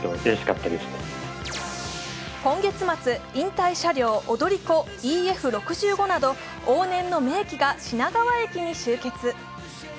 今月末、引退車両踊り子ＥＦ６５など往年の名機が品川駅に集結。